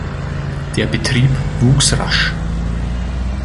Der Betrieb wuchs rasch.